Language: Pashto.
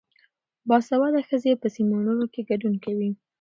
باسواده ښځې په سیمینارونو کې ګډون کوي.